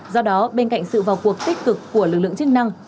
do đó bên cạnh sự vào cuộc tích cực của lực lượng chức năng